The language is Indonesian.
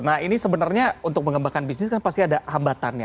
nah ini sebenarnya untuk mengembangkan bisnis kan pasti ada hambatannya